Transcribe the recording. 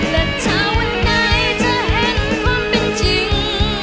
และถ้าวันใดเธอเห็นความเป็นจริง